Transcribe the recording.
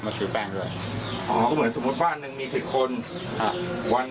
เหมือนบ้านหนึ่งถูกแบบนึงมี๑๐คน